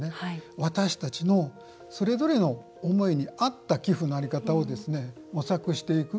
私たちのそれぞれの思いに合った寄付のやり方を模索していく。